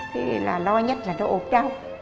thế là lo nhất là nó ốp đau